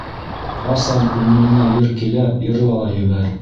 Ҡасан күңелеңә йыр килә - йырла ла ебәр.